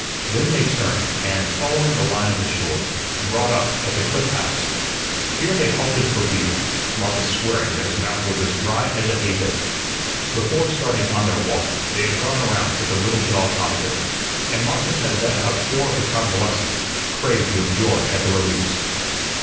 Then they turned, and, following the line of the shore, brought up at the Cliff House. Here they halted for beer, Marcus swearing that his mouth was as dry as a hay bin. Before starting on their walk they had gone around to the little dog hospital, and Marcus had let out four of the convalescents, crazed with joy at the release.